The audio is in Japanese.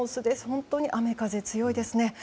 本当に雨風強いですね。